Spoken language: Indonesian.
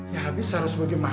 ya habis harus bagaimana